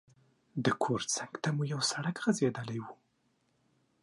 د کور څنګ ته مو یو سړک غځېدلی وو.